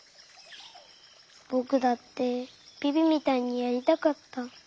ぼくだってビビみたいにやりたかった。